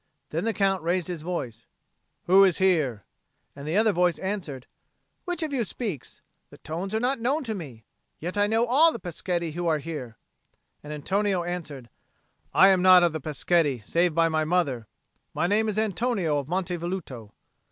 Then the Count raised his voice, "Who is there?" And the other voice answered, "Which of you speaks? The tones are not known to me. Yet I know all the Peschetti who are here." And Antonio answered, "I am not of the Peschetti save by my mother; my name is Antonio of Monte Velluto."